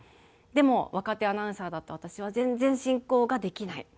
でも若手アナウンサーだった私は全然進行ができない。